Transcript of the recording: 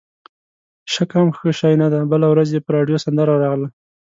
شک هم ښه شی نه دی، بله ورځ یې په راډیو سندره راغله.